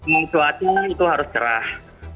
mau cuaca itu harus cerah